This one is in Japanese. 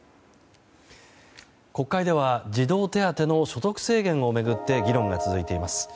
国会では児童手当の所得制限を巡って議論が続いています。